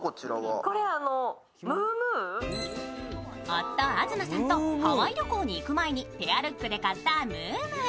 夫・東さんとハワイ旅行に行く前にペアルックで買ったムームー。